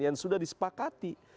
yang sudah disepakati